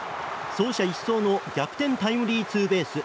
走者一掃の逆転タイムリーツーベース。